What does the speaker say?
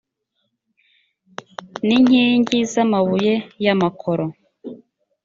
n inkingi z amabuye y amakoro